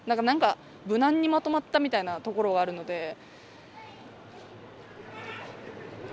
何か無難にまとまったみたいなところはあるので。